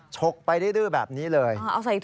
ชกไปดื้อแบบนี้เลย